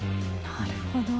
なるほど。